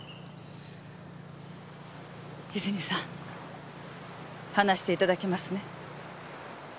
泉さん話して頂けますね？